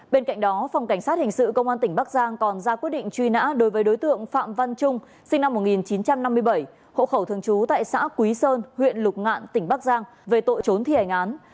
bên cạnh đó phòng cảnh sát hình sự công an tỉnh bắc giang còn ra quyết định truy nã đối với đối tượng phạm văn trung sinh năm một nghìn chín trăm năm mươi bảy hộ khẩu thường trú tại xã quý sơn huyện lục ngạn tỉnh bắc giang về tội trốn thi hành án